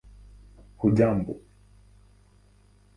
hujambo